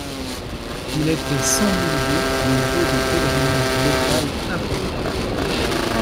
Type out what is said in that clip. Il était sans nul doute le lieu d'un pèlerinage local important.